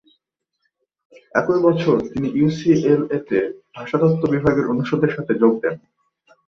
একই বছর, তিনি ইউসিএলএ-তে ভাষাতত্ত্ব বিভাগের অনুষদের সাথে যোগ দেন।